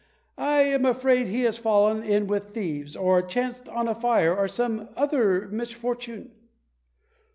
I am afraid he has fallen in with thieves, or chanced on a fire or some other misfortune."